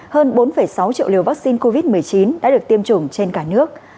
hơn bốn sáu triệu liều vaccine covid một mươi chín đã được tiêm chủng trên cả nước